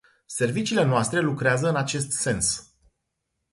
Serviciile noastre lucrează în acest sens.